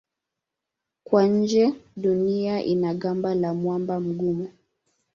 Kwa nje Dunia ina gamba la mwamba mgumu.